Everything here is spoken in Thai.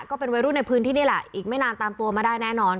ก็เป็นวัยรุ่นในพื้นที่นี่แหละอีกไม่นานตามตัวมาได้แน่นอน